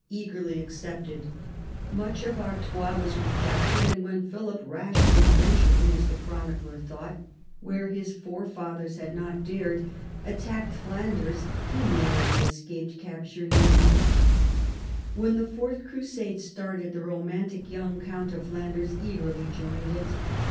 eagerly accepted ; much of Artois was recaptured, and when Philip, rashly ventur ing, as the chronicler thought, where his forefathers had not dared, attacked Flanders, he narrowly escaped cap ture near Ypres. When the fourth crusade started the romantic young count of Flanders eagerly joined it.